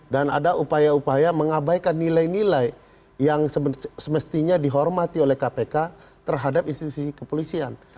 dan ada upaya upaya mengabaikan nilai nilai yang semestinya dihormati oleh kpk terhadap institusi kepolisian